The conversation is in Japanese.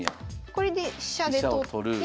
これで飛車で取って。